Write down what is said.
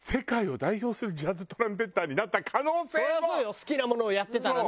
好きなものをやってたらね。